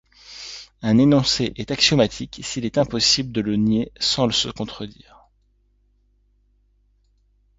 Un énoncé est axiomatique s'il est impossible de le nier sans se contredire.